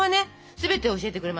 全てを教えてくれますから。